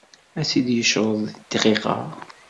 Ad tt-id-yecreḍ di dqiqa.